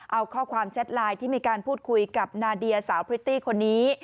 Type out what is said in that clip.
เอาข้อความแชทไลน์ที่มีการพูดคุยกับนาเดียสาวพริตตี้คนนี้